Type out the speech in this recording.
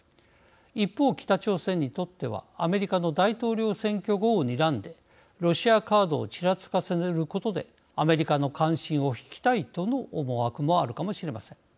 一方、北朝鮮にとってはアメリカの大統領選挙後をにらんでロシアカードをちらつかせることでアメリカの関心をひきたいとの思惑もあるかもしれません。